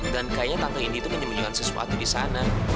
dan kayaknya tante ini tuh menyembunyikan sesuatu di sana